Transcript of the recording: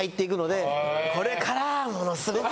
これからものすごく。